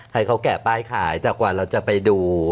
ให้เขาแกะป้ายขายแต่กว่าเราจะไปดู